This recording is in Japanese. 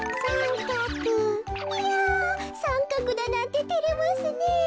いやさんかくだなんててれますねえ。